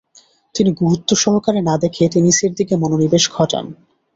তিনি গুরুত্ব সহকারে না দেখে টেনিসের দিকে মনোনিবেশ ঘটান।